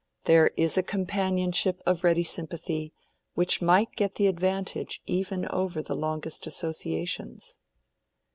"There is a companionship of ready sympathy, which might get the advantage even over the longest associations."